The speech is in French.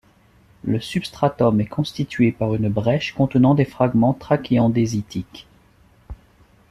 Le substratum est constitué par une brèche contenant des fragments trachyandésitiques.